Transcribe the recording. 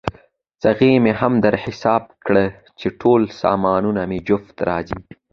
څغۍ مې هم در حساب کړه، چې ټول سامانونه مې جفت راځي.